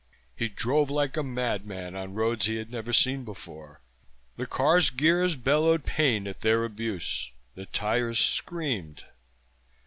He drove like a madman on roads he had never seen before. The car's gears bellowed pain at their abuse, the tires screamed.